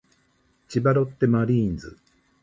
千葉ロッテマリーンズ